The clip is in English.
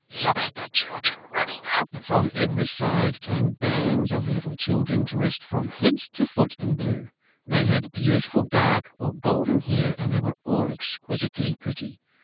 Look at the children running up!" From every side came bands of little children dressed from head to foot in blue; they had beautiful dark or golden hair and they were all exquisitely pretty.